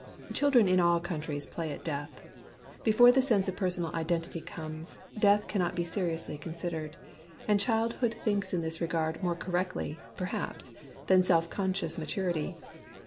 Children in all countries play at death. Be fore the sense of personal identity comes, death cannot be seriously considered ; and childhood thinks in this regard more correctly, perhaps, than self conscious maturity.